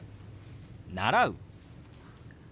「習う」。